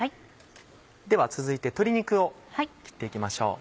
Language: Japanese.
では続いて鶏肉を切って行きましょう。